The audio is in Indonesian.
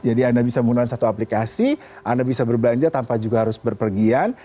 jadi anda bisa menggunakan satu aplikasi anda bisa berbelanja tanpa juga harus berpergian